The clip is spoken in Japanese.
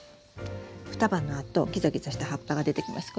双葉のあとギザギザした葉っぱが出てきます。